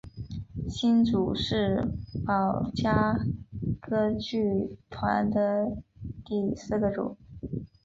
星组是宝冢歌剧团的第四个组。